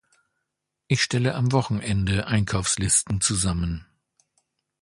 Ich stelle am Wochenende Einkaufslisten zusammen.